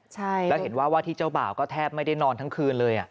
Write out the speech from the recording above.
แล้วเห็นว่าว่าที่เจ้าบ่าวก็แทบไม่ได้นอนทั้งคืนเลย